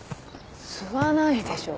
吸わないでしょ。